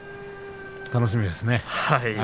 楽しみですね。